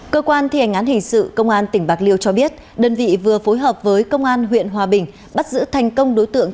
cơ quan thi hành án hình sự công an tỉnh bạc liêu cho biết đơn vị vừa phối hợp với công an huyện hòa bình bắt giữ thành công đối tượng